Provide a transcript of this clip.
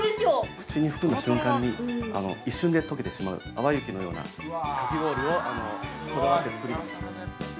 ◆口に含んだ瞬間に一瞬で溶けてしまう、泡雪のようなかき氷をこだわって作りました。